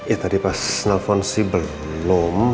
ya tadi pas nelfon sih belum